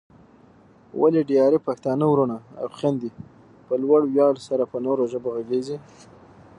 ولې ډېرای پښتانه وروڼه او خويندې په لوړ ویاړ سره په نورو ژبو غږېږي؟